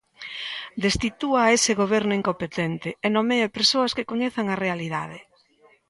Destitúa a ese goberno incompetente e nomee persoas que coñezan a realidade.